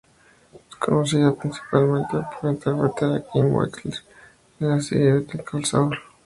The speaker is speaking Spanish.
Es conocida principalmente por interpretar a Kim Wexler en la serie "Better Call Saul".